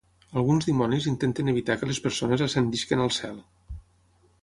Alguns dimonis intenten evitar que les persones ascendeixin al Cel.